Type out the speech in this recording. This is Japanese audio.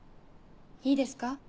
いいですか？